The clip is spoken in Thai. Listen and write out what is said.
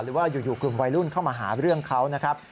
หรือว่าอยู่กลุ่มวัยรุ่นเข้ามาหาเรื่องเขานะครับ